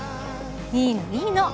いいのいいの。